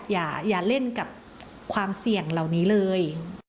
อย่าเล่นกับความเสี่ยงเหล่านี้เลย